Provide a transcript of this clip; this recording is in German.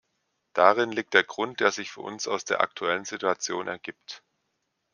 Darin liegt der Grund, der sich für uns aus der aktuellen Situation ergibt.